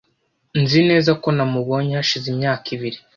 nzi neza ko namubonye hashize imyaka ibiri